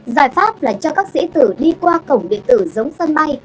giải pháp là cho các sĩ tử đi qua cổng điện tử giống sân bay